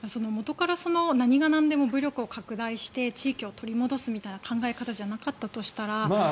元から何がなんでも武力を拡大して地域を取り戻すみたいな考え方じゃなかったとしたら。